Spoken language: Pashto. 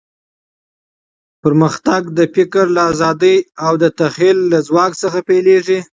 پرمختګ د فکر له ازادۍ او د تخیل له ځواک څخه پیلېږي.